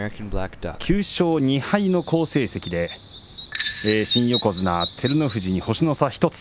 ９勝２敗の好成績で新横綱照ノ富士に星の差１つ。